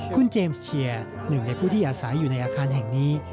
คุณเจมส์เชียร์หนึ่งในผู้ที่อาศัยอยู่ในอาคารแห่งนี้